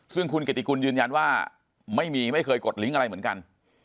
ซึ่งคุณเกติกุลยืนยันว่าไม่มีไม่เคยกดลิงก์อะไรเหมือนกัน